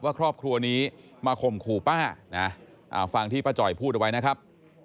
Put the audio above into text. ครอบครัวนี้มาข่มขู่ป้านะฟังที่ป้าจ่อยพูดเอาไว้นะครับ